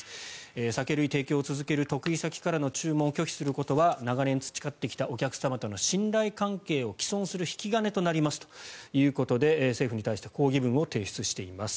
酒類提供を続ける得意先からの注文を拒否することは長年培ってきたお客様との信頼関係を毀損する引き金となりますということで政府に対して抗議文を提出しています。